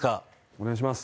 お願いします